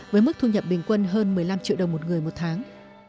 với mức thu nhập bình quân hơn một mươi năm triệu đồng một người một tháng